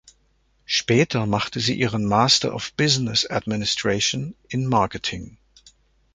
Später machte sie ihren Master of Business Administration in Marketing.